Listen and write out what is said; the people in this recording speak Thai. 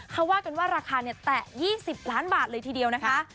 เขาว่ากันว่าราคาเนี่ยแตะ๒๐ล้านบาทเลยทีเดียวนะคะ